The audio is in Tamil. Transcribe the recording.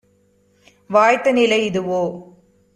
வாய்த்த நிலை இதுவோ!